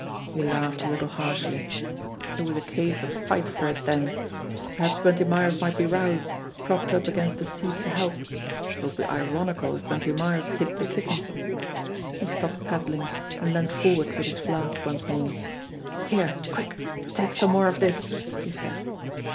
He laughed a little harshly. It was a case of fight for it, then. Perhaps Bunty Myers might be roused, propped up against a seat to help. It would be ironical if Bunty Myers hit the Kitten ! He stopped paddling, and leaned forward with his flask once more. "Here ! Quick ! Take some more of this !" he said.